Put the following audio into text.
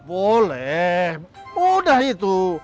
boleh mudah itu